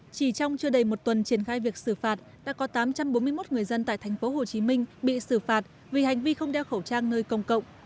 chỉ trong chưa đầy một tuần triển khai việc xử phạt đã có tám trăm bốn mươi một người dân tại tp hcm bị xử phạt vì hành vi không đeo khẩu trang nơi công cộng